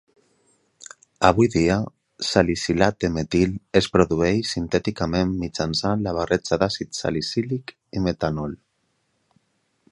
Avui dia, salicilat de metil es produeix sintèticament mitjançant la barreja d'àcid salicílic i metanol.